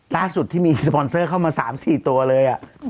ล่าสุดที่มีสปอนเซอร์เข้ามา๓๔ตัวเลย